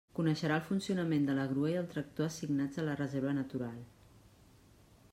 Coneixerà el funcionament de la grua i el tractor assignats a la Reserva Natural.